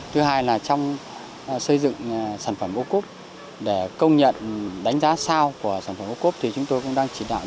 thứ hai là trong xây dựng sản phẩm ô cốt để công nhận đánh giá sao của sản phẩm ô cốt